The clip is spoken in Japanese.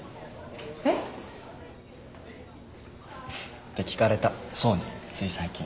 えっ？って聞かれた想につい最近。